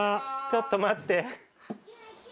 ちょっと待って。